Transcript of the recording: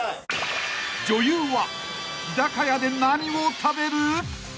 ［女優は日高屋で何を食べる？］